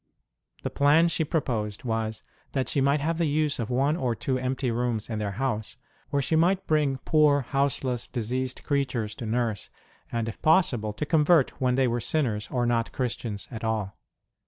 The plan she proposed was that she might have the use of one or two empty rooms in their house, where she might bring poor, houseless, diseased creatures to nurse and, if possible, to convert, when they were sinners or not Christians at all.